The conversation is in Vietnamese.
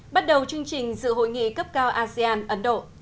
bắt đầu chương trình dự hội nghị cấp cao asean ấn độ